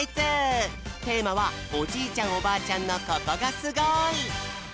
テーマは「おじいちゃんおばあちゃんのココがすごい！」。